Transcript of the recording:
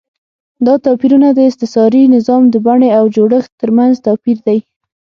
دا توپیرونه د استثاري نظام د بڼې او جوړښت ترمنځ توپیر دی.